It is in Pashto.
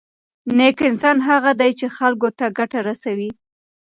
نېک انسان هغه دی چې خلکو ته ګټه رسوي.